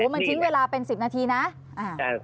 มันทิ้งเวลาเป็น๑๐นาทีนะ